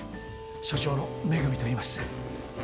所長の恵といいます。